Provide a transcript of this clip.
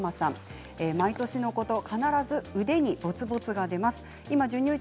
毎年のこと、必ず腕にボツボツが出ます。